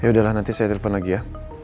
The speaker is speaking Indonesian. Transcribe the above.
ya udahlah nanti saya telepon lagi ya